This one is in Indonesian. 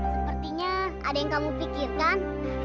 sepertinya ada yang kamu pikirkan